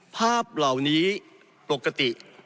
ภาพเหล่านี้ปกติ